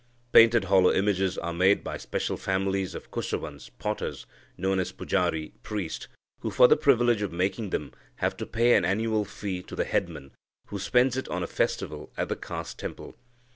Painted hollow images are made by special families of Kusavans (potters) known as pujari (priest), who, for the privilege of making them, have to pay an annual fee to the headman, who spends it on a festival at the caste temple.